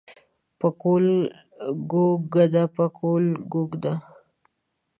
پکول ګو کده پکول ګو کده.